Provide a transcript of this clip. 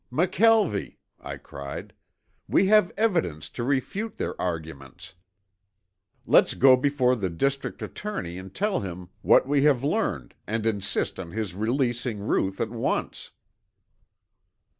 "McKelvie," I cried, "we have evidence to refute their arguments! Let's go before the district attorney and tell him what we have learned and insist on his releasing Ruth at once!"